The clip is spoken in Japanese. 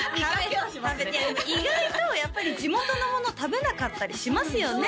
意外とやっぱり地元のもの食べなかったりしますよね